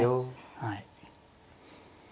はい。